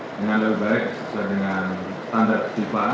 dengan lebih baik sesuai dengan standar fifa